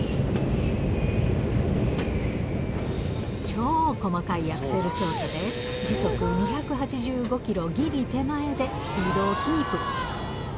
超細かいアクセル操作で、時速２８５キロぎり手前でスピードをキープ。